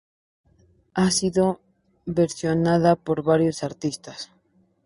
Ha sido versionada por varios artistas.